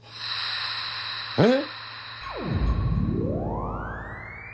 えっ？